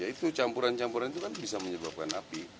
itu campuran campuran itu kan bisa menyebabkan api